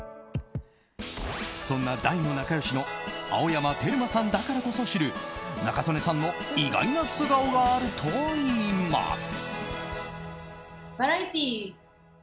そんな大の仲良しの青山テルマさんだからこそ知る仲宗根さんの意外な素顔があるといいます。